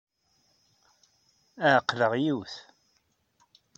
Ɛeqleɣ yiwet.